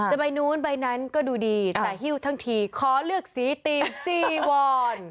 จะไปนู้นไปนั่นก็ดูดีแต่ฮิ่ลทั้งทีขอเลือกสีตีพจีวอน